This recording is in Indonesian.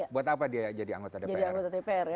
buat apa dia jadi anggota dpr